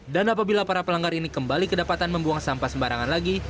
dan apabila para pelanggar ini kembali kedapatan membuang sampah sembarangan lagi